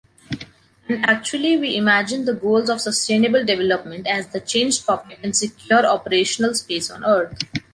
and actually we imagine the goals of sustainable development as the change topic in secure operational space on earth